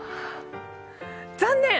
残念！